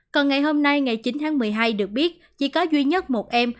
còn ngày hôm nay ngày chín tháng một mươi hai được biết chỉ có duy nhất một em